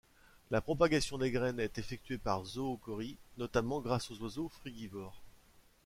La propagation des graines est effectuée par zoochorie, notamment grâce aux oiseaux frugivores.